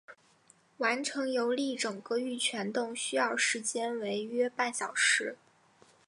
完成游历整个玉泉洞需要时间为约半小时。